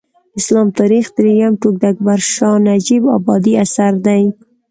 د اسلام تاریخ درېیم ټوک د اکبر شاه نجیب ابادي اثر دی